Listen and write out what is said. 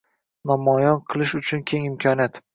namoyon qilish uchun keng imkoniyat